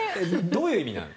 どういう意味なの？